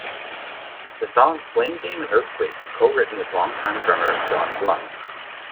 The songs "blame game" and "Earthquake" were co-written with longtime drummer Don Blum.